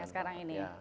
yang sekarang ini